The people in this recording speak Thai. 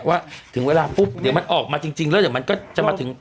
ถึงเวลาปุ๊บเดี๋ยวมันออกมาจริงแล้วเดี๋ยวมันก็จะมาถึง